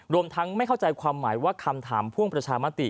รวมทั้งไม่เข้าใจความหมายว่าคำถามพ่วงประชามติ